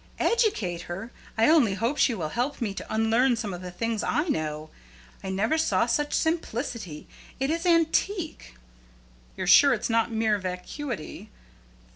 "Educate her! I only hope she will help me to unlearn some of the things I know. I never saw such simplicity. It is antique!" "You're sure it's not mere vacuity?"